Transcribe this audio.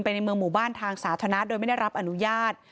ในเมืองหมู่บ้านทางสาธารณะโดยไม่ได้รับอนุญาต